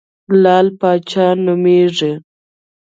لعل پاچا نومېږم.